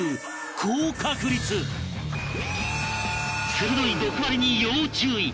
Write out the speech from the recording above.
鋭い毒針に要注意！